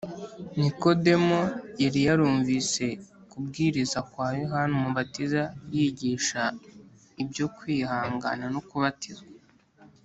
Nikodemo yari yarumvise kubwiriza kwa Yohana Umubatiza yigisha ibyo kwihana no kubatizwa,